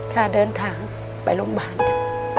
ถ้าเดินทางไปโรงพยาบาลจ้ะ